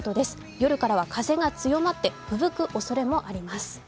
夜からは風が強まってふぶくおそれもあります。